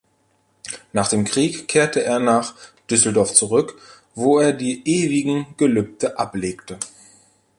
Nach dem Krieg kehrte er nach Düsseldorf zurück, wo er die ewigen Gelübde ablegte.